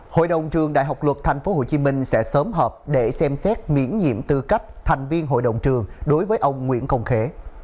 hội đồng trường đại học luật tp hcm sẽ sớm họp để xem xét miễn nhiệm tư cách thành viên hội đồng trường đối với ông nguyễn công khế